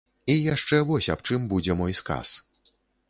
І яшчэ вось аб чым будзе мой сказ.